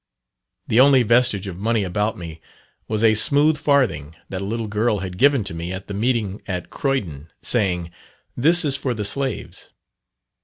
The only vestige of money about me was a smooth farthing that a little girl had given to me at the meeting at Croydon, saying, "This is for the slaves."